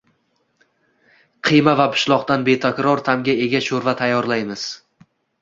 Qiyma va pishloqdan betakror ta’mga ega sho‘rva tayyorlaymiz